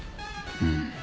うん。